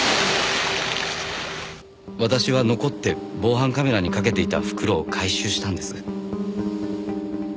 私は残って防犯カメラにかけていた袋を回収したんです。